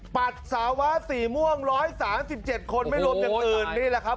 ปัดสาวะสี่ม่วงร้อยสามสิบเจ็ดบาทคนแล้วไม่โลกอย่างอื่นนี่แหละครับ